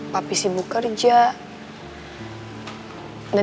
papi sibuk kerja